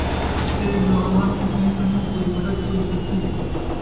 اَتے نہ اُنھاں کُوں کہیں کنُوں کوئی مَدد پُڄ سَڳسی ۔